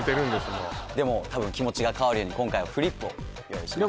もうでもたぶん気持ちが変わるように今回はフリップを用意しました